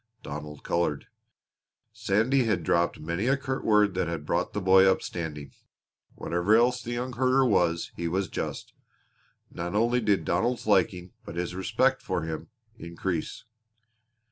Donald colored. Sandy had dropped many a curt word that had brought the boy up, standing. Whatever else the young herder was he was just. Not only did Donald's liking, but his respect for him, increase.